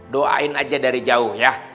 doain aja dari jauh ya